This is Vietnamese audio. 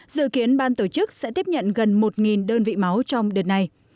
dự kiến ban tổ chức sẽ tiếp nhận gần một đơn vị máu trong đợt này